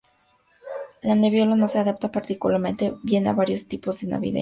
La nebbiolo no se adapta particularmente bien a varios tipos de viñedos.